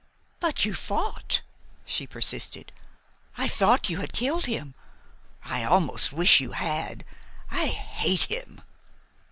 "But you fought," she persisted. "I thought you had killed him. I almost wish you had. I hate him!"